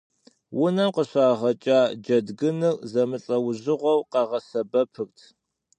Унэм къыщагъэкӏа джэдгыныр зэмылӏэужьыгъуэу къагъэсэбэпырт.